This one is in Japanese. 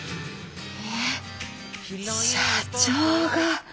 えっ社長が？